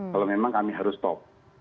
kalau memang kami harus stop